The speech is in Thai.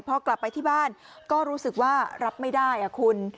พอกลับไปที่บ้านก็รู้สึกว่ารับไม่ได้คุณ